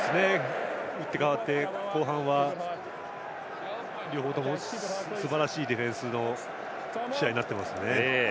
打って変わって後半は両方ともすばらしいディフェンスの試合になっていますね。